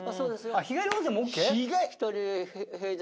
あっ日帰り温泉もＯＫ？